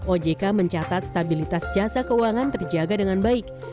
ojk mencatat stabilitas jasa keuangan terjaga dengan baik